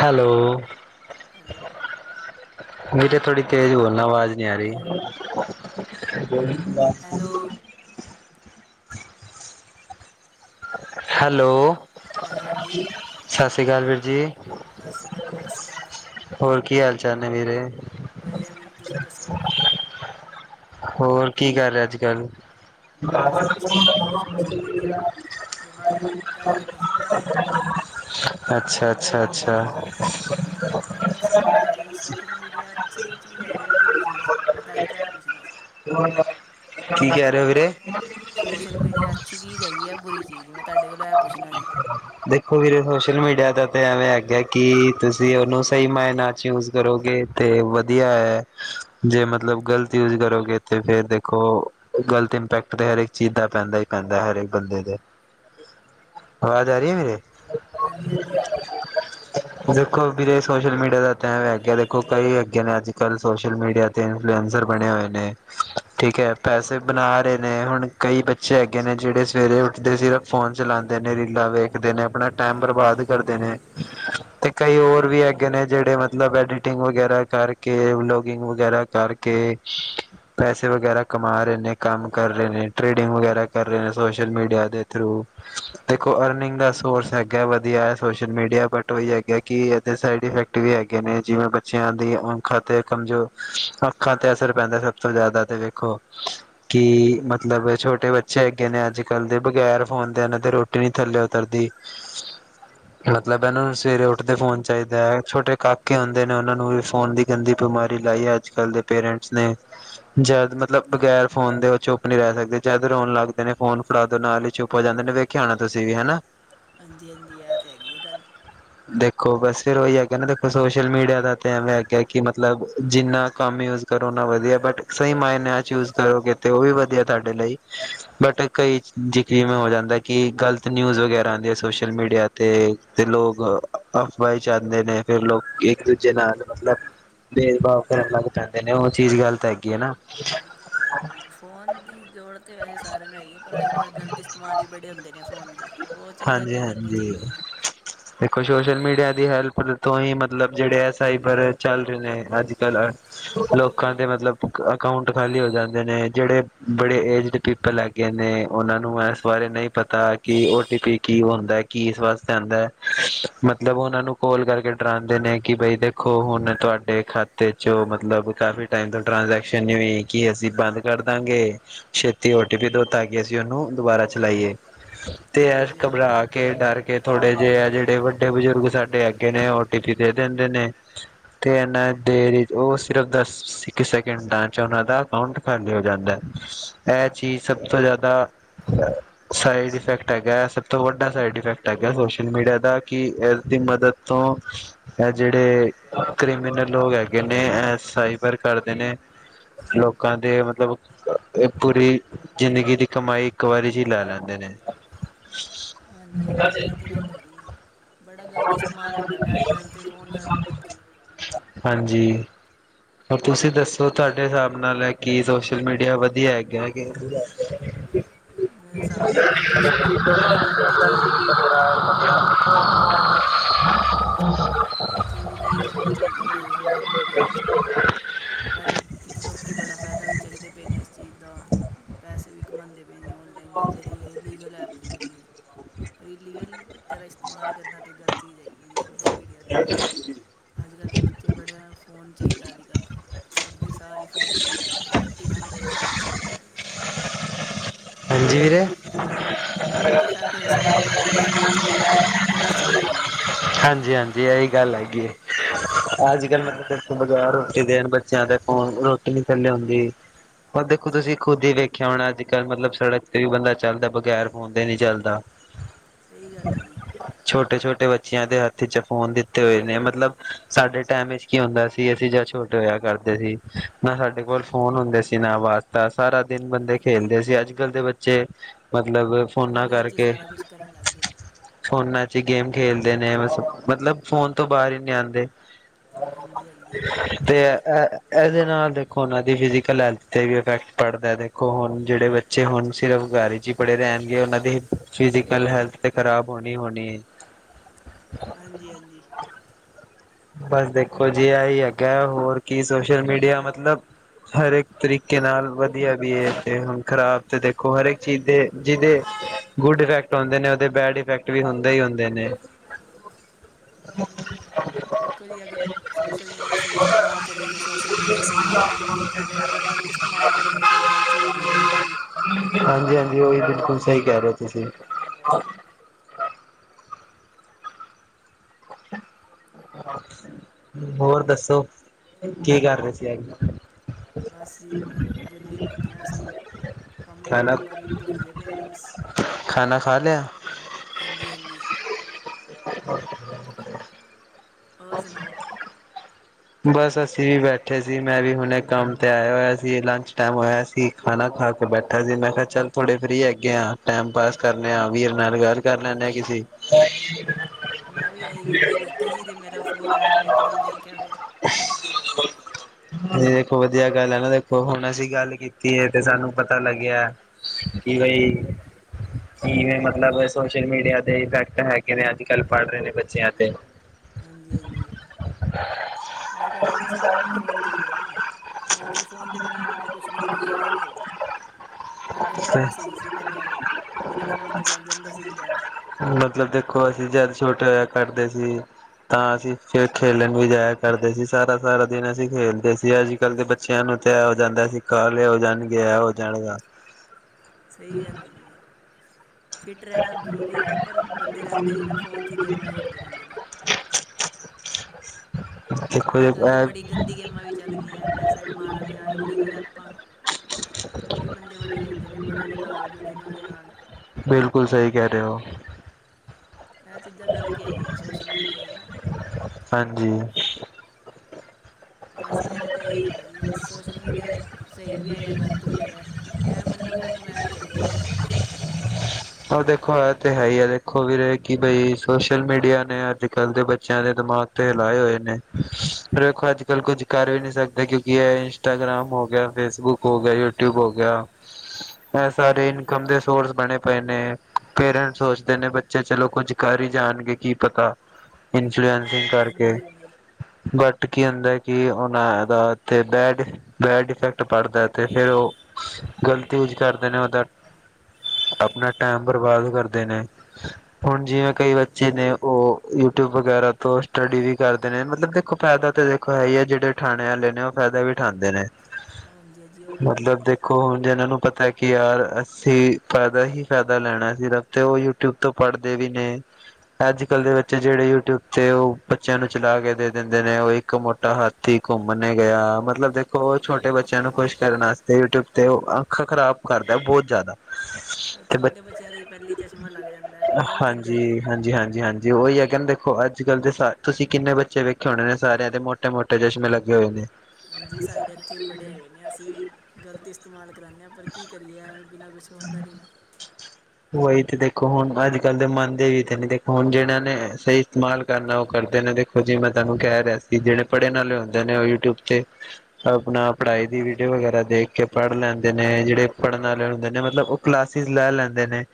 Hello. Hello. ਵੀਰੇ, ਥੋੜੀ ਤੇਜ਼ ਬੋਲਣਾ, ਅਵਾਜ਼ ਨਹੀਂ ਆ ਰਹੀ। ਹੈਲੋ ਹੈਲੋ, ਹੈਲੋ ਹੈਲੋ ਹਾਂਜੀ ਸਤਿ ਸ਼੍ਰੀ ਅਕਾਲ ਵੀਰ ਜੀ, ਸਤਿ ਸ਼੍ਰੀ ਅਕਾਲ ਜੀ ਸਤਿ ਸ਼੍ਰੀ ਅਕਾਲ ਹੋਰ ਕੀ ਹਾਲ ਚਾਲ ਨੇ ਵੀਰੇ? ਵਧੀਆ ਵੀਰ, ਤੁਸੀਂ ਦੱਸੋ? ਹੋਰ ਕੀ ਕਰ ਰਿਹਾ ਅੱਜ-ਕੱਲ? ਬਸ ਕੁਛ ਨਹੀਂ ਸੋਸ਼ਲ ਮੀਡੀਆ ਦੇ ਬਾਰੇ ਹੀ ਗੱਲ ਕਰਨੀ ਸੀ ਮੈਂ ਤੁਹਾਡੇ ਨਾਲ ਇੱਕ [unintelligible] ਅੱਛਾ-ਅੱਛਾ-ਅੱਛਾ-ਅੱਛਾ। ਮੈਨੂੰ ਇੱਕ ਸਵਾਲ ਹੈਗਾ, ਜੀ ਸੋਸ਼ਲ ਮੀਡੀਆ ਅੱਛੀ ਚੀਜ਼ ਹੈਗੀ ਆ ਬੂਰੀ ਚੀਜ਼, ਮੈਂ ਤੁਹਾਡੈ ਤੋਂ ਪੁੱਛਣਾ ਸੀ? ਕੀ ਕਹਿ ਰਹੇ ਹੋ ਵੀਰੇ? ਸੋਸ਼ਲ ਮੀਡੀਆ ਅੱਛੀ ਚੀਜ਼ ਹੈਗੀ ਆ, ਯਾ ਬੁਰੀ ਚੀਜ਼ ਮੈਂ ਤੁਹਾਡੇ ਕੋਲੋਂ ਇਹ ਪੁੱਛਣਾ ਈ। [inaudible] ਵੇਖੋ ਵੀਰੇ ਸੋਸ਼ਲ ਮੀਡੀਆ ਦਾ ਤੇ ਐਵੇਂ ਹੈਗਾ, ਕਿ ਤੁਸੀਂ ਉਹਨੂੰ ਸਹੀ ਮਾਇਨਾ ਚ ਯੂਜ ਕਰੋਗੇ। ਤੇ ਵਧੀਆ ਹੈ, ਜੇ ਮਤਲਬ ਗਲਤ ਯੂਜ ਕਰੋਗੇ, ਤੇ ਫੇਰ ਦੇਖੋ, ਗ਼ਲਤ ਇੰਪੈਕਟ ਤੇ ਹਰੇਕ ਚੀਜ਼ ਦਾ ਪੈਂਦਾ ਹੀ ਪੈਂਦਾ ਹਰੇਕ ਬੰਦੇ ਦੇ। ਆਵਾਜ਼, ਆ ਰਹੀ ਹੈ ਵੀਰੇ? ਹਾਂਜੀ ਹਾਂਜੀ ਆ ਰਹੀ ਹੈ ਦੇਖੋ ਵੀਰੇ, ਸੋਸ਼ਲ ਮੀਡੀਆ ਦਾ ਤੈ ਐ ਹੈਗਾ, ਦੇਖੋ ਕਈ ਹੈਗੇ ਨੇ, ਅੱਜ- ਕੱਲ੍ਹ ਸੋਸ਼ਲ ਮੀਡੀਆ ਤੇ ਇਨਫਲੂਐਂਸਰ। ਬੜੇ ਆਂਦੇ। ਠੀਕ ਹੈ, ਪੈਸੇ ਬਣਾ ਰਹੇ ਨੇ ਹੁਣ ਕਈ ਬੱਚੇ ਹੈਗੇ ਨੇ ਜਿਹੜੇ ਸਵੇਰੇ ਉੱਠਦੇ ਸੀ। ਫੋਨ ਚਲਾਉਂਦੇ ਨੇ, ਰੀਲਾਂ ਵੇਖਦੇ ਨੇ, ਆਪਣਾ ਟੈਮ ਬਰਬਾਦ ਕਰਦੇ ਨੇ ਤੇ। ਕਈ ਹੋਰ ਵੀ ਹਾਂਜੀ ਹੈਗੇ ਨੇ, ਜਿਹੜੇ ਮਤਲਬ ਐਡੀਟਿੰਗ ਵਗੈਰਾ ਕਰਕੇ, ਵਲੋਗਿੰਗ ਵਗੈਰਾ ਕਰਕੇ। [inaudible] ਪੈਸੇ ਵਗੈਰਾ ਕਮਾ ਰਹੇ ਨੇ ਕੰਮ ਕਰ ਰਹੇ ਨੇ, ਟ੍ਰੇਡਿੰਗ ਵਗੈਰਾ ਕਰ ਰਹੇ ਨੇ, ਸੋਸ਼ਲ ਮੀਡੀਆ ਦੇ ਥਰੂ। ਦੇਖੋ ਅਰਨਿੰਗ ਦਾ ਸੋਰਸ ਹੈਗਾ ਵਧੀਆ ਸੋਸ਼ਲ ਮੀਡੀਆ। ਬਟ ਉਹੀ ਹੈਗਾ ਕਿ ਇਹਦੇ ਸਾਈਡ ਇਫੈਕਟ ਵੀ ਹੈਗੇ ਨੇ ਜਿਵੇਂ ਬੱਚਿਆਂ ਦੀ ਅਖਾਂ ਤੇ ਕਮਜ਼ੋਰ, ਅੱਖਾਂ ਤੇ ਅਸਰ ਪੈਂਦਾ, ਸਭ ਤੋਂ ਜ਼ਿਆਦਾ ਤੇ ਵੇਖੋ ਕਿ ਮਤਲਬ ਛੋਟੇ ਬੱਚੇ ਹੈਗੇ ਨੇ ਅੱਜ ਕੱਲ੍ਹ ਦੇ ਬਗੈਰ ਫੋਨ ਦੇ ਇਹਨਾਂ ਦੇ ਰੋਟੀ ਨੀ ਥੱਲੇ ਉਤਰਦੀ। [inaudible] ਮਤਲਬ ਇਹਨਾਂ ਨੂੰ ਸਵੇਰੇ ਉੱਠਦੇ ਫੋਨ ਚਾਹੀਦਾ ਐ। ਛੋਟੇ ਕਾਕੇ ਹੁੰਦੇ ਨੇ ਉਹਨਾਂ ਨੂੰ ਵੀ ਫੋਨ ਦੀ ਗੰਦੀ ਬਿਮਾਰੀ ਲਾਈ ਹੈ। ਅੱਜ ਕੱਲ ਦੇ ਪੇਰੈਂਟਸ ਨੇ। ਜਦ ਮਤਲਬ, ਬਗੈਰ ਫੋਨ ਦੇ ਉਹ ਚੁੱਪ ਨੀ ਰਹਿ ਸਕਦੇ, ਜਦ ਰੋਣ ਲੱਗਦੇ ਨੇ ਫੋਨ ਫੜਾ ਦੋ ਨਾਲ ਹੀ ਚੁੱਪ ਆ ਜਾਂਦੇ ਨੇ। ਦੇਖਿਆ, ਹੋਣਾ ਤੁਸੀਂ ਵੀ ਹਨਾ। ਹਾਂਜੀ -ਹਾਂਜੀ, ਇਹ ਤੇ ਹੈਗੀ ਹੈ ਗੱਲ। ਦੇਖੋ ਬਸ ਫੇਰ ਉਹੀ ਹੈਗਾ ਨਾ ਦੇਖੋ ਸੋਸ਼ਲ ਮੀਡੀਆ ਦਾ ਤੇ ਐਵੇਂ ਹੈਗਾ ਕਿ ਮਤਲਬ ਜਿੰਨਾ ਕੰਮ ਯੁਜ ਕਰੋ ਨਾ ਵਧੀਆ ਬਟ ਸਹੀ ਮਾਨਿਆ ਚ ਯੂਜ ਕਰੋ ਕਿਤੇ ਉਹ ਵੀ ਵਧੀਆ ਤੁਹਾਡੇ ਲਈ। ਬਟ ਕਈ ਜ ਜਿਵੇਂ ਹੋ ਜਾਂਦਾ ਕਿ ਗ਼ਲਤ ਨਿਊਜ਼ ਵਗੈਰਾ ਆਉਂਦੀ ਹੈ ਸੋਸ਼ਲ ਮੀਡੀਆ ਤੇ ਫ ਲੋਗ ਅਫਵਾਹ ਹੀ ਛੱਡਦੇ ਨੇ ਫੇਰ ਲੋਕੀ ਇੱਕ ਦੂਜੇ ਨਾਲ ਮਤਲਬ ਭੇਦਭਾਵ ਕਰਨ ਲੱਗ ਜਾਂਦੇ ਨੇ। ਉਹ ਚੀਜ਼ ਗ਼ਲਤ ਹੈਗੀ ਹੈ ਨਾ। ਫ਼ੋਨ ਦੀ ਲੋੜ ਤਾਂ ਵੈਸੇ ਸਾਰਿਆਂ ਨੂੰ ਹੈਗੀ ਹੈ, ਪਰ ਅੱਜ-ਕੱਲ੍ਹ ਗ਼ਲਤ ਇਸਤੇਮਾਲ ਹੀ ਬੜੇ ਹੁੰਦੇ ਨੇ ਫੋਨ ਦੇ। ਉਹ ਚੀਜ਼ਾਂ ਹਾਂਜੀ ਨਹੀਂ ਕਰਨੀਆਂ ਹਾਂਜੀ ਚਾਹੀਦੀਆਂ। ਦੇਖੋ ਸੋਸ਼ਲ ਮੀਡੀਆ ਦੀ ਹੈਲਪ ਤੋਂ ਹੀ ਮਤਲਬ ਜਿਹੜੇ ਆ ਸਾਈਬਰ ਚੱਲ ਰਹੇ ਨੇ। ਅੱਜ-ਕੱਲ੍ਹ ਲੋਕਾਂ ਦੇ ਮਤਲਬ ਅਕਾਊਂਟ ਖਾਲੀ ਹੋ ਜਾਂਦੇ ਨੇ ਜਿਹੜੇ ਬੜੇ ਏਜਡ ਪੀਪਲ ਹੈ। ਗੇ ਨੇ। ਉਹਨਾਂ ਨੂੰ ਇਸ ਬਾਰੇ ਨਹੀਂ ਪਤਾ ਕਿ ਓ ਟੀ ਪੀ ਕੀ ਹੁੰਦਾ। ਕੀ ਕਿਸ ਵਾਸਤੇ ਆਉਂਦਾ। ਮਤਲਬ ਓਨਾਂ ਨੂੰ ਕੋਲ ਕਰਕੇ ਡਰਾਂਦੇ ਨੇ ਕਿ ਬਈ ਦੇਖੋ ਹੁਨ ਤੁਹਾਡੇ ਖਾਤੇ ਚੋ ਮਤਲਬ ਕਾਫੀ ਟਾਈਮ ਤੋਂ ਟ੍ਰਾਂਜੈਕਸ਼ਨ ਨੀ ਹੋਈ ਕੀ ਅਸੀਂ ਬੰਦ ਕਰ ਦਾਂਗੇ। ਛੇਤੀ ਉੱਠ ਕੇ ਧੋਤਾ ਗੇਆ ਸੀ ਓਨੂੰ, ਦੁਬਾਰਾ ਚਲਾਈ ਏ। ਤੇ ਆ ਹਾਂਜੀ ਹਾਂਜੀ ਘਬਰਾ ਕੇ ਡਰ ਕੇ ਥੋੜੇ ਜੇ ਆ ਜੇੜੇ ਵੱਡੇ ਬਜ਼ੁਰਗ ਸਾਡੇ ਅੱਗੇ ਨੇ ਓ ਲੋਕਿ ਦੇ ਦੇਂਦੇ ਨੇ ਤੇ ਏਨਾ ਦੇਰ ਚ ਓਸ ਸਿਰਫ ਦਸ ਇੱਕ ਸੈਕਿੰਡਾਂ 'ਚ ਓਨਾਂ ਦਾ ਅਕਾਊਂਟ ਖਾਲੀ ਹੋ ਜਾਂਦਾ ਐ, ਐ ਜੀ ਸਭ ਤੋਂ ਜਾਦਾ ਸਾਈਡ ਇਫੈਕਟ ਹੈਗਾ ਸਭ ਤੋਂ ਵੱਡਾ ਸਾਈਡ ਇਫੈਕਟ ਹੈਗਾ ਸੋਸ਼ਲ ਮੀਡੀਆ ਦਾ ਕੀ ਏਸ ਦੀ ਮਦਦ ਤੋਂ ਅ ਜਿਹੜੇ ਕ੍ਰਿਮੀਨਲ ਲੋਕ ਹੈਗੇ ਨੇ ਏ ਸਾਈਬਰ ਕਰਦੇ ਨੇ ਲੋਕਾਂ ਦੇ ਮਤਲਬ ਇਹ ਪੂਰੀ ਜ਼ਿੰਦਗੀ ਦੀ ਕਮਾਈ ਇੱਕ ਵਾਰੀ ਚ ਲੈ ਲੈਂਦੇ ਨੇ। ਹਾਂਜੀ ਹਾਂਜੀ ਇਹ ਤਾਂ ਗੱਲ ਹੈਗੀ ਹੈ ਜੀ ਬੜਾ ਗਲਤ ਇਸਤੇਮਾਲ ਹੁੰਦਾ ਪਿਆ ਅੱਜ ਕੱਲ੍ਹ ਤੇ ਫੋਨ ਦਾ ਵੀ [unintelligible] ਹਾਂਜੀ। ਪਰ ਤੁਸੀਂ ਦੱਸੋ ਤੁਹਾਡੇ ਹਿਸਾਬ ਨਾਲ ਕੀ ਸੋਸ਼ਲ ਮੀਡੀਆ ਵਧੀਆ ਹੈਗਾ ਐ ਕਿ? ਮੇਰੇ ਹਿਸਾਬ ਨਾਲ ਤੇ ਜੀ ਸੋਸ਼ਲ ਮੀਡੀਆ ਗਲਤ ਹੀ ਚੀਜ਼ ਹੈਗੀ ਹੈ [unintelligible] ਚੀਜ਼ ਨਹੀਂ ਕਰਨੀ ਚਾਹੀਦੀ ਵੈਸੇ ਸੋਸ਼ਲ ਮੀਡੀਆ ਚ'। ਪਰ ਲੋਕੀ ਬੜਾ ਫਾਇਦਾ ਵੀ ਛਕਦੇ ਪਏ ਨੇ ਇਸ ਚੀਜ਼ ਦਾ। ਪੈਸੇ ਵੀ ਕਮਾਂਦੇ ਪਏ ਨੇ ਔਨਲਾਈਨ ਦੇ ਜ਼ਰੀਏ, ਲੀਗਲ ਐਪ ਦੇ ਜ਼ਰੀਏ। ਲੀਗਲ ਤਰ ਇਸਤੇਮਾਲ ਕਰਨਾ ਤੇ ਗ਼ਲਤ ਚੀਜ਼ ਹੈਗੀ ਜੀ ਸੋਸ਼ਲ ਮੀਡੀਆ। [unintelligible] ਅੱਜ-ਕੱਲ ਦੇ ਬੱਚੇ ਬੜਿਆਂ ਨੂੰ ਫੋਨ ਚਾਹੀਦਾ ਅੱਜ-ਕੱਲ। ਉੱਠਦੇ ਸਰ ਹੀ ਫੋਨ ਚਾਹੀਦਾ, ਰੋਟੀ ਖਦੇ ਫੋਨ ਚਾਹੀਦਾ। ਹਾਂਜੀ ਵੀਰੇ। [inaudible] ਰੋਟੀ ਖਾਂਦੇ ਹੋਏ ਸਾਰਿਆਂ ਨੂੰ ਅੱਜ ਕੱਲ੍ਹ ਫੋਨ ਚਾਹੀਦਾ ਹੈ ਗਲਤ ਚੀਜ਼ ਹੈਗੀ ਹਾਂਜੀ-ਹਾਂਜੀ ਐਈ ਗੱਲ ਹੈਗੀ ਏ। ਅੱਜ ਕੱਲ ਮਤਲਬ ਦੇਖੋ ਬਗੈਰ ਰੋਟੀ ਦੇਣ ਬੱਚੇਆਂ ਦੇ ਫੋਨ, ਰੋਟੀ ਨੀ ਥੱਲੇ ਹੁੰਦੀ। ਪਰ ਦੇਖੋ ਤੁਸੀਂ ਖੁਦ ਈ ਵੇਖਿਆ ਹੋਣਾ ਅੱਜ-ਕੱਲ੍ਹ ਮਤਲਬ ਸੜਕ ਤੇ ਵੀ ਬੰਦਾ ਚੱਲਦਾ ਬਗੈਰ ਫੋਨ ਦੇ ਨੀ ਚੱਲਦਾ। ਸਈ ਗੱਲ ਏ ਜੀ। ਛੋਟੇ-ਛੋਟੇ ਬੱਚਿਆਂ ਦੇ ਹੱਥ ਚ ਫੋਨ ਦਿੱਤੇ ਹੋਏ ਨੇ ਮਤਲਬ, ਸਾਡੇ ਟਾਈਮ ਵਿੱਚ ਕੀ ਹੁੰਦਾ ਸੀ, ਅਸੀਂ ਜਾਂ ਛੋਟੇ ਹੋਇਆ ਕਰਦੇ ਸੀ ਨਾ ਸਾਡੇ ਕੋਲ ਫੋਨ ਹੁੰਦੇ ਸੀ ਨਾ ਬਸ ਤਾਂ ਸਾਰਾ ਦਿਨ ਬੰਦੇ ਖੇਲਦੇ ਸੀ ਅੱਜ ਕੱਲ ਦੇ ਬੱਚੇ ਮਤਲਬ ਫੋਨਾਂ ਚ ਹੀ ਸਾਰਾ ਕੁਝ ਕਰਨ ਲੱਗ ਜਾਂਦਾ ਫੋਨਾਂ ਚ ਹੀ ਗੇਮ ਖੇਲਦੇ ਨੇ ਮ ਮਤਲਬ ਫੋਨ ਤੋਂ ਬਾਹਰ ਹੀ ਨੀ ਆਉਂਦੇ। ਹਾਂਜੀ ਹਾਂਜੀ ਇਹ ਗੱਲ ਤਾਂ ਤੇ ਹੈਗੀ ਹੈ ਐ। ਇਹਦੇ ਨਾਲ ਦੇਖੋ ਉਨਾਂ ਦੀ ਫਿਜ਼ਕਲ ਹੈਲਥ ਤੇ ਵੀ ਇਫੈਕਟ ਪੜਦਾ ਦੇਖੋ ਹੁਣ ਜਿਹੜੇ ਬ ਜੇ ਹੁਣ ਸਿਰਫ਼ ਗਾਰੀਜ਼ ਹੀ ਪੜੇ ਰਹਿਣਗੇ, ਉਹਨਾਂ ਦੀ ਫਿਜ਼ਕਲ ਹੈਲਥ ਤੇ ਖ਼ਰਾਬ ਹੋਣੀ ਹੋਣੀ ਹੈ। [unintelligible] ਹਾਂਜੀ ਹਾਂਜੀ ਬਸ ਦੇਖੋ ਜੀ ਆਹੀ ਹੈਗਾ ਹੋਰ ਕੀ ਸੋਸ਼ਲ ਮੀਡੀਆ ਮਤਲਬ ਹਰਕ ਤਰੀਕੇ ਨਾਲ ਵਧੀਆ ਵੀ ਇਹ ਤੇ ਹੁਣ ਖ਼ਰਾਬ ਤੇ ਦੇਖੋ ਹਰੇਕ ਚੀਜ਼ ਦੇ ਜਿਹਦੇ ਗੁੱਡ ਇਫੈਕਟ ਹੁੰਦੇ ਨੇ ਉਹਦੇ ਬੈਡ ਇਫੈਕਟ ਵੀ ਹੁੰਦੇ ਹੀ ਹੁੰਦੇ ਨੇ। ਹਾਂ [unintelligible] ਦੇਖੋ ਜੀ, ਅਗਰ ਸੋਸ਼ਲ ਮੀਡੀਆ ਦਾ ਸਹੀ ਇਸਤੇਮਾਲ ਕਰੀਏ, ਤਾਂ ਸੋਸ਼ਲ ਮੀਡੀਆ ਸਹੀ ਵੀ ਹੈਗੀ ਹੈ, ਅਗਰ ਉਹਦਾ ਗਲਤ ਇਸਤੇਮਾਲ ਕਰਗੇ ਅਤੇ ਉਹ ਗਲਤ ਚੀਜ਼ ਹੀ ਮੰਨੀ ਜਾਵੇਗੀ ਹਾਂਜੀ ਹਾਂਜੀ ਉਹੀ ਬਿਲਕੁਲ ਸਹੀ ਕਹਿ ਰਹੇ ਹੋ ਤੁਸੀਂ ਹ ਹੋਰ ਦੱਸੋ ਕੀ ਕਰ ਰਹੇ ਸੀ ਅੱਜ ਬਸ ਜੀ ਵਿਹਲੇ ਬੈਠੇ ਹਾਂ ਅਸੀਂ [unintelligible] ਕੰਮ ਕੁੰਮ ਖਾਣਾ ਦੇ ਬਾਰੇ ਢੂੰਡਦੇ ਪਏ ਹਾਂ ਬਸ ਖਾਣਾ ਖਾ ਲਿਆ? ਹਾਜੀ-ਹਾਜੀ। [unintelligible] ਹੋਰ ਸੁਣਾਓ? ਬਸ ਅਸੀਂ ਵੀ ਬੈਠੇ ਸੀ, ਮੈਂ ਵੀ ਹੁਣੇ ਕੰਮ ਤੇ ਆਇਆ ਹੋਇਆ, ਸੀ ਲੰਚ ਟਾਈਮ ਹੋਇਆ ਸੀ। ਖਾਣਾ ਖਾ ਕੇ ਬੈਠਾ ਸੀ, ਮੈਂ ਕਿਹਾ ਚੱਲ ਥੋੜੇ ਫ੍ਰਰੀ ਅੱਗੇ ਆ ਟਾਈਮ ਪਾਸ ਕਰਨੇ ਆ ਵੀਰ ਨਾਲ ਗੱਲ। ਕਰ ਲੈਂਦੇ ਹਾਂ ਕਿਸੇ ਮੈਂ ਵੀ ਆਈ ਵੇਰੇ ਲਈ ਹੀ ਬੈਠਾ ਸੀ, ਤੇ ਮੇਰਾ ਫੋਨ ਆਇਆ ਮੈਂ ਇਕ ਦਮ ਦੇਖਿਆ ਫਿਰ ਮਾ [unintelligible] ਜ ਦੇਖੋ ਵਧੀਆ ਗੱਲ ਹੈ ਨਾ ਦੇਖੋ ਹੁਣ, ਅਸੀਂ ਗੱਲ ਕੀਤੀ ਤੇ ਸਾਨੂੰ ਪਤਾ ਲੱਗਿਆ ਕੀ ਭਈ? ਕਿਵੇਂ ਮਤਲਬ ਸੋਸ਼ਲ ਮੀਡੀਆ ਦੇ ਇਫੈਕਟ ਹੈਗੇ ਨੇ ਅੱਜ ਕੱਲ ਪੜ੍ਹ ਰਹੇ ਨੇ ਬੱਚਿਆਂ ਤੇ ਹਾਂਜੀ ਹਾਂਜੀ ਅੱਜ ਕੱਲ੍ਹ ਤਾਂ ਸਾਰਿਆ ਨੂੰ ਹੀ ਫੋਨ ਚਾਹੀਦਾ ਜੀ ਅੱਜ ਕੱਲ੍ਹ ਫੋਨ ਦੇ ਬਿਨਾਂ ਇਹਨਾਂ ਦਾ ਕੁਛ ਨੀ ਗੁਜ਼ਾਰਾ ਹੀ ਨਹੀਂ ਹੈਗਾ ਸਾਡਾ ਟਾਈਮ ਹੀ ਸਹੀ ਸੀ, ਪਹਿਲੇ ਵਾਲਾ ਬਿਨਾਂ ਫੋਨ ਤੋਂ ਚੱਲ ਜਾਂਦਾ ਸੀ ਗੁਜ਼ਾਰਾ ਮਤਲਬ ਦੇਖੋ ਅਸੀਂ ਜਦ ਛੋਟੇ ਹੋਇਆ ਕਰਦੇ ਸੀ, ਤਾਂ ਅਸੀਂ ਫਿਰ ਖੇਲਣ ਵੀ ਜਾਇ ਕਰਦੇ ਸੀ ਸਾਰਾ ਸਾਰਾ ਦਿਨ ਅਸੀਂ ਖੇਲਦੇ ਸੀ ਅੱਜ ਕੱਲ ਦੇ ਬੱਚਿਆਂ ਨੂੰ ਤਿਆ ਹੋ ਜਾਂਦਾ ਸੀ ਕਾਲੇ ਹੋ ਜਾਣਗੇ ਐ ਹੋ ਜਾਣ ਗ ਸਹੀ ਗੱਲਦੀਦੀ ਫਿੱਟ ਰਹਿਣਾ ਜ਼ਰੂਰੀ ਹੈਗਾ ਪਰ ਬੰਦੇ ਰਹਿੰਦੇ ਨਹੀਂ ਨਾ ਫੋਨ 'ਚ ਹੀ ਗੇਮਾਂ ਖੇਡਦੇ ਰਹਿੰਦੇ ਨੇ ਦੇਖੋ ਅਜ ਇਹ ਕੱਲ੍ਹ ਤਾਂ ਬੜੀ ਗੰਦੀ ਗੇਮਾਂ ਵੀ ਚੱਲ ਗਈਆਂ ਹੈ ਪੈਸੇ ਕਮਾਉਣ ਵਾਲੀਆਂ ਇਲੀਗਲ ਐਪਾਂ ਉਹ ਵੀ ਬੰਦੇ ਬੜੇ ਖੇਡਦੇ ਨੇ ਬੜੇ ਅਧਿਕਾਰ ਜੁੜੇ ਨੇ ਉਹਦੇ ਨਾਲ ਬਿਲਕੁਲ ਸਹੀ ਕਹਿ ਰਹੇ ਹੋ ਇਹ ਚੀਜ਼ਾਂ ਗਲਤ ਹੀ ਹੈਗੀਆਂ ਸੋਸ਼ਲ ਮੀਡੀਆ 'ਚ ਨਾ ਹਾਂਜੀ ਬਸ ਮੇਰਾ ਤਾਂ ਇਹੀ ਹੈਗਾ ਜੀ ਬਸ ਸੋਸ਼ਲ ਮੀਡੀਆ ਸਹੀ ਵੀ ਹੈਗਾ ਗ਼ਲਤ ਵੀ ਹੈਗਾ ਜੈ ਮੰਨੋਗੇ ਉਹਨੂੰ ਮੈਂ ਵੀ ਚੱਲੇਗਾ ਉਹ ਉਹ ਦੇਖੋ ਇਹ ਤੇ ਹੈ ਹੀ ਆ ਦੇਖੋ ਵੀਰੇ ਕਿ ਬਈ ਸੋਸ਼ਲ ਮੀਡੀਆ ਨੇ ਅੱਜ ਕੱਲ੍ਹ ਦੇ ਬੱਚਿਆਂ ਦੇ ਦਿਮਾਗ ਲਾਏ ਹੋਏ ਨੇ ਵਖੋ ਅੱਜ ਕੱਲ ਕੁੱਝ ਕਰ ਵੀ ਨੀ ਸਕਦੇ ਕਿਉਂਕਿ ਇਹ ਇੰਸਟਾਗ੍ਰਾਮ ਹੋ ਗਿਆ ਫੇਸਬੁੱਕ ਹੋ ਗਿਆ ਯੂਟੀਿਊਬ ਹੋ ਗਿਆ ਇਹ ਸਾਰੇ ਹਾਂਜੀ ਇਨਕਮ ਹਾਂਜੀ ਦੇ ਸੋਰਸ ਬਣੇ ਪਏ ਨੇ ਪੇਰੈਂਟ ਸੋਚਦੇ ਨੇ ਬੱਚੇ ਚਲੋ ਕੁੱਝ ਕਰ ਹੀ ਜਾਣਗੇ ਕੀ ਪਤਾ ਇਨਫਲੂਐਂਸਿੰਗ ਕਰਕੇ ਹਾਂਜੀ ਹਾਂਜੀ ਬਟ ਕੀ ਹੁੰਦਾ ਕਿ ਉਹਨਾ ਦਾ ਬੈਡ ਬੈਡ ਇਫੈਕਟ ਪੜਦਾ ਅਤੇ ਫਿਰ ਉਹ ਗਲਤੀ ਯੂਜ ਕਰਦੇ ਨੇ ਉਹਦਾ ਆਪਣਾ ਟਾਈਮ ਬਰਬਾਦ ਕਰਦੇ ਨੇ ਹੁਣ ਜਿਵੇਂ ਕਈ ਬੱਚੇ ਨੇ ਉਹ ਯੂਟਿਊਬ ਵਗੈਰਾ ਤੋਂ ਸਟੱਡੀ ਵੀ ਕਰਦੇ ਨੇ ਮਤਲਬ ਦੇਖੋ ਫਾਇਦਾ ਤੇ ਹੈ ਹੀ ਹੈ ਜਿਹੜੇ ਠਾਣੇ ਵਾਲੇ ਨੇ ਉਹ ਫਾਇਦਾ ਵੀਠਾਂਂਦੇ ਨੇ ਹਾਂਜੀ ਜੀ ਉਹ ਗਲਤ ਹੈ ਮਤਲਬ ਜੀ ਦੇਖੋ ਹੁਣ ਜੇਨਾਂ ਨੂੰ ਪਤਾ ਕਿ ਯਾਰ ਅਸੀਂ ਪਾਇਦਾ ਹੀ ਫਾਇਦਾ ਲੈਣਾ ਸੀਗਾ ਤੇ ਉਹ ਯੂਟਿਊਬ ਤੋਂ ਪੜ੍ਹਦੇ ਵੀ ਨੇ ਅੱਜ ਕੱਲ ਦੇ ਬੱਚੇ ਜਿਹੜੇ ਯੂਟਿਊਬ ਤੇ ਉਹ ਬੱਚਿਆਂ ਨੂੰ ਚਲਾ ਕੇ ਦੇ ਦਿੰਦੇ ਨੇ ਉਹ ਇੱਕ ਇੱਕ ਮੋਟਾ ਹਾਥੀ ਘੁੰਮ ਨੇ ਗਿਆ ਮਤਲਬ ਦੇਖੋ ਛੋਟੇ ਬੱਚਿਆਂ ਨੂੰ ਖੁਸ਼ ਕਰਨ ਤੇ ਯੂਟਿਊਬ ਤੇ ਉਹ ਅੱਖਾਂ ਖ਼ਰਾਬ ਕਰਦਾ ਬਹੁਤ ਜ਼ਿਆਦਾ ਉਹ ਤੇ ਛੋਟੇ ਬੱਚਿਆਂ ਦੀ ਪਹਿਲੀ ਚਸ਼ਮਾ ਲੱਗ ਜਾਂਦਾ ਹੈ ਗਲਤ ਚੀਜ਼ਾਂ ਹਾਂਜੀ, ਹੈਗੀਆਂ ਹਾਂਜੀ ਹਾਂਜੀ ਹਾਂਜੀ ਜੇ ਉਹੀ ਹੈ ਕਦੇ ਦੇਖੋ ਅੱਜ ਕੱਲ੍ਹ ਦੇ ਸਾ ਤੁਸੀਂ ਕਿੰਨੇ ਬੱਚੇ ਵੇਖੇ ਹੋਣੇ ਨੇ ਸਾਰਿਆਂ ਦੇ ਮੋਟੇ ਮੋਟੇ ਚਸ਼ਮੇ ਲੱਗੇ ਹੋਏ ਨੇ ਹਾਂਜੀ ਸਾਡੇ ਇੱਥੇ ਈ ਬੜੇ ਹੈਗੇ ਨੇ ਅਸੀਂ ਵੀ ਗ਼ਲਤ ਇਸਤੇਮਾਲ ਕਰਾਣੇ ਆ ਪਰ ਕੀ ਕਰੀਏ ਐਵੇਂ ਬਿਨਾਂ ਕੁਛ ਹੁੰਦਾ ਨੀ ਨਾ। ਉਹੀ ਤੇ ਦੇਖੋ ਹੁਣ ਅੱਜ-ਕੱਲ ਦੇ ਮੰਨਦੇ ਵੀ ਤੇ ਨੀ ਦੇਖੋ ਹੁਣ ਜਿਹੜਿਆ ਨੇ ਸਈ ਇਸਤੇਮਾਲ ਕਰਨਾ ਉਹ ਕਰਦੇ ਨੇ ਦੇਖੋ ਜੀ ਮੈਂ ਤੁਹਾਨੂੰ ਕਹਿ ਰਿਆ ਸੀ ਜਿਹੜੇ ਪੜ੍ਹਨ ਆਲੇ ਹੁੰਦੇ ਨੇ ਉਹ ਯੂਟਿਊਬ ਤੇ ਆਪਣਾ ਪੜ੍ਹਾਈ ਦੀ ਵੀਡੀਓ ਵਗੈਰਾ ਦੇਖ ਕੇ ਪੜ੍ਹ ਲੈਂਦੇ ਨੇ ਜਿਹੜੇ ਪੜ੍ਹਨ ਆਲੇ ਹੁੰਦੇ ਨੇ ਮਤਲਬ ਕਲਾਸਿਸ ਲੈ ਲੈਣ ਦਿਨੇ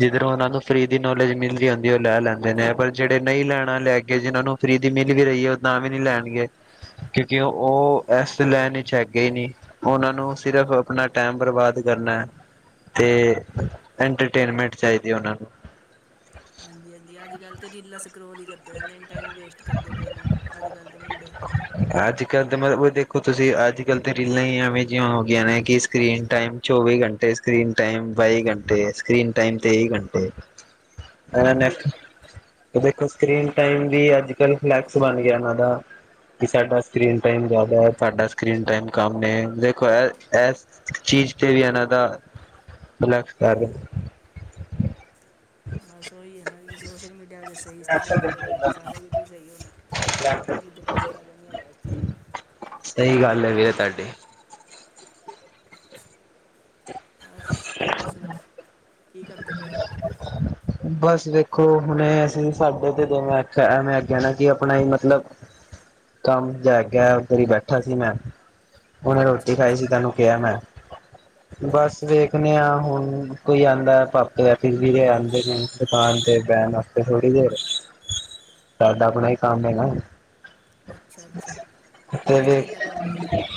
ਜਿਧਨ ਉਹਨਾਂ ਨੂੰ ਫਰੀ ਦੀ ਨੌਲੇਜ ਮਿਲਦੀ ਉਦੀ ਉਹ ਲੈ ਲੈਂਦੇ ਨੇ ਪਰ ਜਿਹੜੇ ਨਈ ਲੈਣਾ ਲੈਗੇ ਜਿਹਨਾਂ ਨੂੰ ਫਰੀ ਦੀ ਮਿਲ ਵੀ ਰੀ ਐ ਉਹ ਤਾ ਵੀ ਨੀ ਲੈਣਗੇ। ਕਿਉਂਕਿ ਉਹ ਇਸ ਲੈਣ ਵਿੱਚ ਹੈਗੇ ਈ ਨੀ। ਉਹਨਾਂ ਨੂੰ ਸਿਰਫ਼ ਆਪਣਾ ਟੈਮ ਬਰਬਾਦ ਕਰਨਾ, ਤੇ ਇੰਟਰਟੇਨਮੈਂਟ ਚਾਈਦੀ ਉਹਨਾਂ ਨੂੰ। ਜਾਂਦੀ ਅੱਜ-ਕੱਲ ਤੇ ਰੀਲਾਂ ਸਕਰੋਲ ਈ ਕਰਦੇ ਰਹਿੰਦੇ ਨੇ ਟਾਈਮ ਵੇਸਟ ਕਰਦੇ ਪਏ ਨੇ ਅੱਜ-ਕੱਲ ਦੇ ਮੁੰਡੇ। ਅੱਜ ਕੱਲ ਦੇ ਮਤਲਬ ਦੇਖੋ ਤੁਸੀਂ ਅੱਜ ਕੱਲ ਤਾਂ ਰੀਲਾਂ ਹੀ ਐਵੇਂ ਜਿਹੀ ਹੋ ਗਈਆਂ ਨੇ ਕਿ ਸਕਰੀਨ ਟਾਈਮ ਚੌਵੀ ਘੰਟੇ ਸਕਰੀਨ ਟਾਈਮ ਬਾਈ ਘੰਟੇ ਸਕਰੀਨ ਟਾਈਮ ਤੇਈ ਘੰਟੇ ਹਾਂਜੀ ਅਨੇ ਹਾਂਜੀ ਤੇ ਦੇਖੋ ਸਕਰੀਨ ਟਾਈਮ ਵੀ ਅੱਜ ਕੱਲ ਫਲੈਕਸ ਬਣ ਗਿਆ ਉਹਨਾਂ ਦਾ ਕਿ ਸਾਡਾ ਸਕਰੀਨ ਟਾਈਮ ਜ਼ਿਆਦਾ ਹੈ ਸਾਡਾ ਸਕਰੀਨ ਟਾਈਮ ਕੰਮ ਨੇ ਦੇਖੋ ਚੀਜ਼ ਤੇ ਵੀ ਇਹਨਾਂ ਦਾ, ਬਲੈਕ ਕਰ ਬਸ ਉਹ ਈ ਐ ਨਾ ਜੀ ਸੋਸ਼ਲ ਮੀਡੀਆ ਜੇ ਸਈ ਇਸਤੇਮਾਲ ਕਰੋਗੇ ਤਾਂ ਸਾਰਾ ਕੁਝ ਈ ਸਈ ਐਣਾ। ਨਈ ਤੇ ਕੋਈ ਫਾਇਦਾ ਨੀ ਹੈਗਾ ਇਸ ਚੀਜ਼ ਸਹੀ ਗੱਲ ਐ ਵੀਰੇ ਤਾਡੀ‌। ਦਾ ਬਸ [inaudible] ਹੋਰ ਸੁਣਾਓ, ਕੀ ਕਰਦੇ ਪਓ ਅੱਜ-ਕੱਲ੍ਹ? ਬਸ ਵੇਖੋ ਹੁਣੇ ਅਸੀਂ ਸਾਡੇ ਤੇ ਜਿਵੇਂ ਆਖਿਆ ਐਵੇ ਐਗਾ ਨਾ ਕਿ ਆਪਣਾ ਈ ਮਤਲਬ ਕੰਮ ਜੈਗਾ ਉੱਧਰ ਈ ਬੈਠਾ ਸੀ ਮੈਂ, ਹੁਣੇ ਅੱਛਾ ਰੋਟੀ ਖਾਈ ਅੱਛਾ ਸੀ ਤਾਨੂੰ ਗਿਆ ਮੈਂ ਬਸ ਵੇਖਦੇ ਆ ਹੁਣ ਕੋਈ ਆਂਦਾ ਪਾਪੇ ਦਾ ਟੀਵੀ ਲਿਆਂ ਦੁਕਾਨ ਤੇ ਬੈਨ ਵਾਸਤੇ ਥੋੜ੍ਹੀ ਦੇਰ। ਸਾਡਾ ਆਪਣਾ ਈ ਕੰਮ ਹੈਗਾ। ਅੱਛਾ-ਅੱਛਾ, ਕਿਸ ਚੀਜ਼ ਵੇਖ ਦਾ ਕੰਮ ਐ ਜੀ ਤਾਹਡਾ?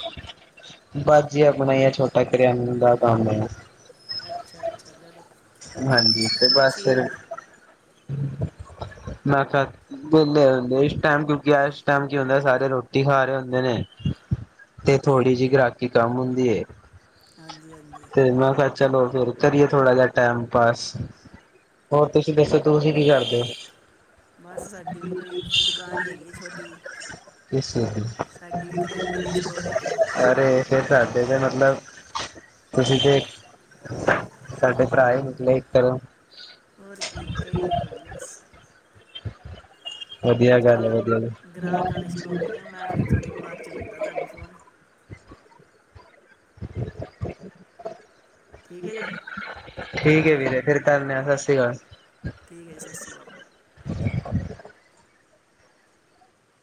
ਬਸ ਜੀ ਆਪਣਾ ਈ ਆ ਛੋਟਾ ਕਰਿਆਨ ਦਾ ਕੰਮ ਏ। ਅੱਛਾ-ਅੱਛਾ ਜਦੋ ਹਾਂਜੀ ਤੇ ਬਸ ਫਿਰ, ਮੈਂ ਤਾ ਵਿਹਲੇ ਹੁੰਦੇ ਇਸ ਟੇਮ ਕਿਉਂਕਿ ਇਸ ਟੇਮ ਕੀ ਹੁੰਦਾ ਸਾਰੇ ਰੋਟੀ ਖਾ ਰੇ ਹੁੰਦੇ ਨੇ। ਤੇ ਥੋੜੀ ਜੀ ਗ੍ਰਾਹਕੀ ਕੰਮ ਹੁੰਦੀ ਐ। ਹਾਂਜੀ-ਹਾਂਜੀ। ਤੇ ਮੈਂ ਕਿਹਾ ਚਲੋ ਫੇਰ ਕਰੀਏ ਥੋੜਾ ਜਾ ਟਾਈਮ ਪਾਸ, ਹੋਰ ਤੁਸੀਂ ਦੱਸੋ ਤੁਸੀ ਕੀ ਕਰਦੇ ਓ? ਬਸ ਸਾਡੀ ਤੁਸੀ ਵੀ ਕੋਈ ਦੁਕਾਨ ਹੀ ਹੈਗੀ ਹੈ ਛੋਟੀ ਜੀ ਜੀ। [inaudible] ਸਾਡੀ ਵੀ ਕਰਿਆਨੇ ਦੀ ਸਟੋਰ ਹੈਗਾ ਅਰੇ ਫਿਰ ਤੁਹਾਡੇ ਤੇ ਮਤਲਬ, ਤੁਸੀਂ ਤੇ, ਸਾਡੇ ਭਰਾ ਏ ਨਿਕੱਲੇ ਇਕ ਤਰੋ। ਹੋਰ ਕੀ ਇਕੋ ਈ ਗੱਲ ਹੋਗੀ ਬਸ। ਵਧੀਆ ਗੱਲ ਚਲੋ ਏ ਵਧੀਆ। ਚੁਗੱਦਾ ਤਾਨੂੰ ਫੋਨ। [inaudible] ਠੀਕ ਹੈ ਜੀ ਠੀਕ ਚਲੋ ਐ ਜੀ ਵੀਰੇ ਫੇਰ ਕਰਦਾ ਆ ਸਤਿ ਸ਼੍ਰੀ ਅਕਾਲ। ਠੀਕ ਐ ਸਤਿ ਸ਼੍ਰੀ ਅਕਾਲ।